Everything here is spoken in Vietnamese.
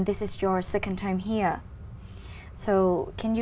với các bạn